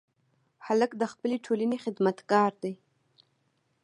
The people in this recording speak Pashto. هلک د خپلې ټولنې خدمتګار دی.